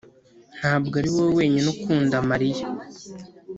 ntabwo ari wowe wenyine ukunda mariya.